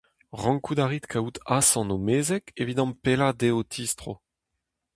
Rankout a rit kaout asant ho mezeg evit ampellañ deiz ho tistro.